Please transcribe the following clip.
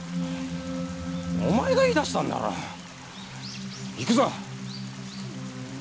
お前が言い出したんだろいくぞ。